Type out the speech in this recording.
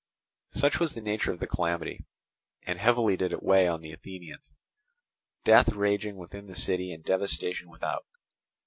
Such was the nature of the calamity, and heavily did it weigh on the Athenians; death raging within the city and devastation without.